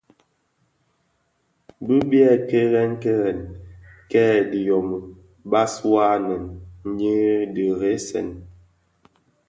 Bi byèè kèrèn kèrèn kè dhiyômi bas wua nneèn nyi dheresèn bhèd.